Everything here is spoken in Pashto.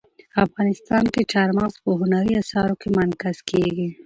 افغانستان کې چار مغز په هنري اثارو کې منعکس کېږي.